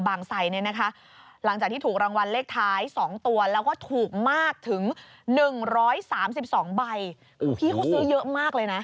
๒ใบพี่เขาซื้อเยอะมากเลยนะ